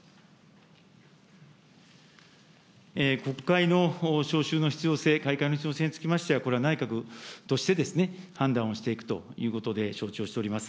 国会の召集の必要性、開会の必要性につきましては、これは内閣として判断をしていくということで承知をしております。